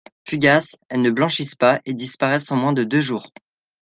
Fugaces, elles ne blanchissent pas et disparaissent en moins de deux jours.